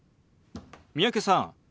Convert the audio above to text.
三宅さん